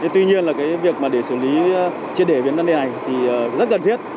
tuy nhiên việc để xử lý chiếc đề biến đơn đề này thì rất gần thiết